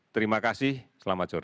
terima kasih selamat jalan